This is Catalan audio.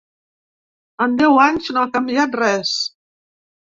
En deu anys no ha canviat res.